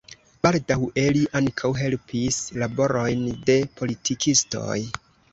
Baldaŭe li ankaŭ helpis laborojn de politikistoj.